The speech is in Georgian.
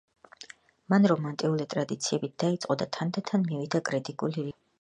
მან რომანტიკული ტრადიციებით დაიწყო და თანდათან მივიდა კრიტიკული რეალიზმის აღიარებამდე.